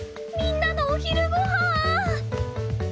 みんなのお昼ごはん！